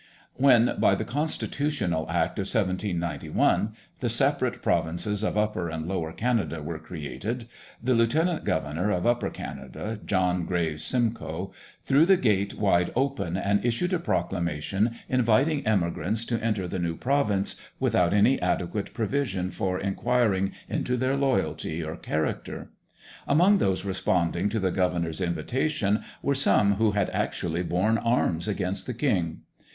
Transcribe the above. When, by the Constitutional Act of 1791, the separate provinces of Upper and Lower Canada were created, the lieutenant governor of Upper Canada, John Graves Simcoe, threw the gate wide open and issued a proclamation inviting emigrants to enter the new province, without any adequate provision for enquiring into their loyalty or character. Among those responding to the governor's invitation were some who had actually borne arms against the king.